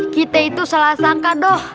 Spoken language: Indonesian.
kita itu salah sangka doh